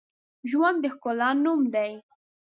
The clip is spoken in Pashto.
ژوند د ښکلا نوم دی